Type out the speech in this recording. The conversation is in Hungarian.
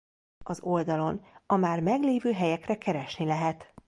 Az oldalon a már meglévő helyekre keresni lehet.